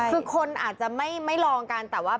คือคนอาจจะไม่ลองกันแต่ว่า